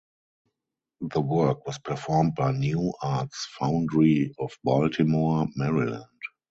The work was performed by New Arts Foundry of Baltimore, Maryland.